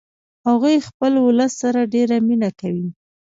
هغوی خپل ولس سره ډیره مینه کوي